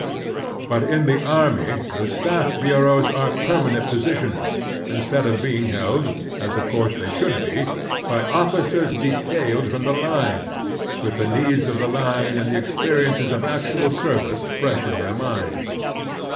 But in the army the staff bureaus are permanent positions, instead of being held, as of course they should be, by officers detailed from the line, with the needs of the line and experiences of actual service fresh in their minds.